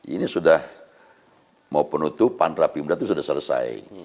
ini sudah mau penutupan rapi muda itu sudah selesai